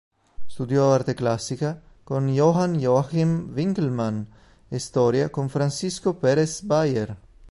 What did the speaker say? Studiò arte classica con Johann Joachim Winckelmann e storia con Francisco Pérez Bayer.